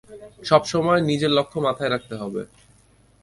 সবসময় নিজের লক্ষ মাথায় রাখতে হবে।